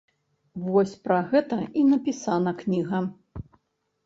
Вось пра гэта і напісана кніга.